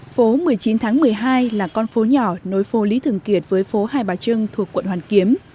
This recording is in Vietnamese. phố một mươi chín tháng một mươi hai là con phố nhỏ nối phố lý thường kiệt với phố hai bà trưng thuộc quận hoàn kiếm